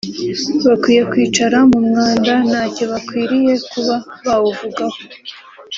bakwiye kwicara mu mwanda ntacyo bakwiriye kuba bawuvugaho